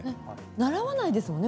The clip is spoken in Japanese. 習わないですよね